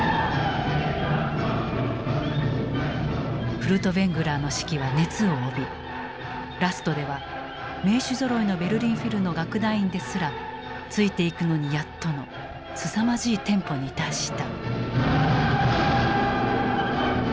フルトヴェングラーの指揮は熱を帯びラストでは名手ぞろいのベルリン・フィルの楽団員ですらついていくのにやっとのすさまじいテンポに達した。